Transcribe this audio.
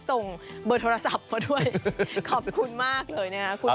ส่งเบอร์โทรศัพท์มาด้วยขอบคุณมากเลยนะครับ